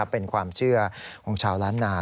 เป็นความเชื่อของชาวล้านนา